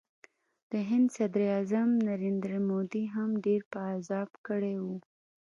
د هند صدراعظم نریندرا مودي هم ډېر په عذاب کړی و